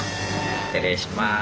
失礼します。